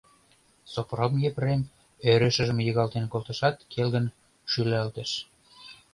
Сопром Епрем ӧрышыжым йыгалтен колтышат, келгын шӱлалтыш.